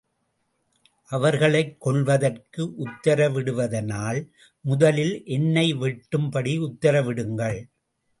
அவர்களைக் கொல்வதற்கு உத்தரவிடுவதானால், முதலில் என்னை வெட்டும் படி உத்தரவிடுங்கள்.